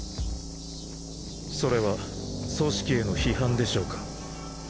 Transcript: それは組織への批判でしょうか？